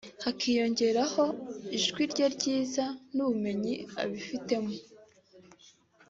hakiyongeraho ijwi rye ryiza n’ubumenyi abifitemo